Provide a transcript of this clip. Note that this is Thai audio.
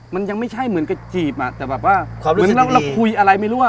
มันยังไม่ใช่เหมือนกับจีบแต่คุยอะไรไม่รู้ว่า